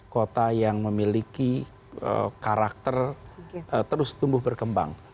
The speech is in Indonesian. kota yang memiliki karakter terus tumbuh berkembang